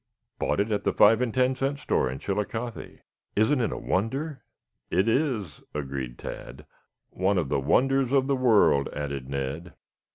"Bought it at the five and ten cent store in Chillicothe. Isn't it a wonder?" "It is," agreed Tad. "One of the wonders of the world," added Ned.